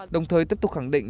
đồng thời tiếp tục khẳng định